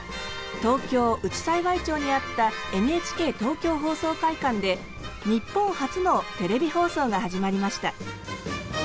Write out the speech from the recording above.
東京・内幸町にあったＮＨＫ東京放送会館で日本初のテレビ放送が始まりました。